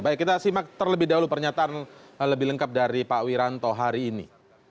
baik kita simak terlebih dahulu pernyataan lebih lengkap dari pak wiranto hari ini